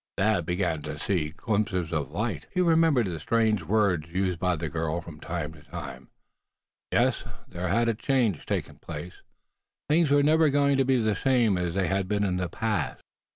Thad began to see glimpses of light. He remembered the strange words used by the girl from time to time. Yes, there had a change taken place; things were never going to be the same as they had been in the past.